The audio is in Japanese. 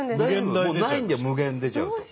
もうないんだよ無限出ちゃうと。